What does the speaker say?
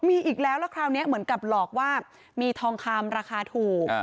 มีอีกแล้วแล้วคราวนี้เหมือนกับหลอกว่ามีทองคำราคาถูก